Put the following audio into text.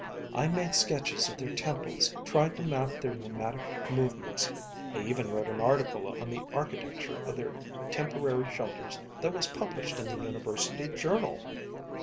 I made sketches of their temples, tried to map their nomadic movements. I even wrote an article on the architecture of their temporary shelters that was published in the university journal.